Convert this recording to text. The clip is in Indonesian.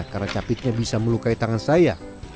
karena capitnya bisa melukai tangan saya